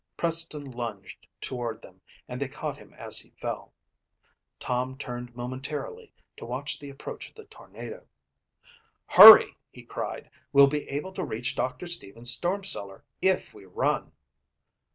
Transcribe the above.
Preston lunged toward them and they caught him as he fell. Tom turned momentarily to watch the approach of the tornado. "Hurry!" he cried. "We'll be able to reach Doctor Stevens' storm cellar if we run."